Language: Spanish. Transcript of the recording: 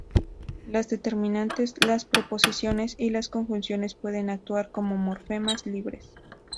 Los determinantes, las preposiciones y las conjunciones puede actuar como morfemas libres.